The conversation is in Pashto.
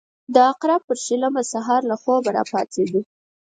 د عقرب پر شلمه سهار له خوبه راپاڅېدو.